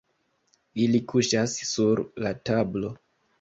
Ili kuŝas sur la tablo.